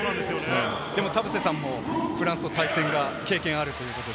でも田臥さんもフランスと対戦が経験あるということで。